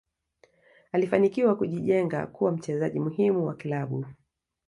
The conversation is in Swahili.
alifanikiwa kujijenga kuwa mchezaji muhimu wa klabu